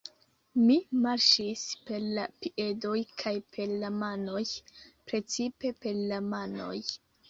Mi marŝis per la piedoj kaj per la manoj, precipe per la manoj.